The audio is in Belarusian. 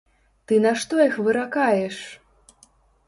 Ты на што іх выракаеш?